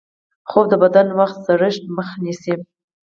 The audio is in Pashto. خوب د بدن وختي زړښت مخه نیسي